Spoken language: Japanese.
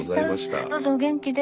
どうぞお元気で。